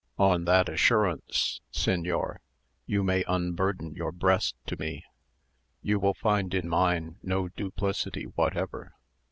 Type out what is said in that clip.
On that assurance, señor, you may unburden your breast to me: you will find in mine no duplicity whatever.